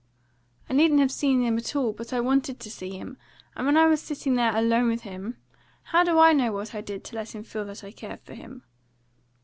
I needn't have seen him at all, but I wanted to see him; and when I was sitting there alone with him, how do I know what I did to let him feel that I cared for him?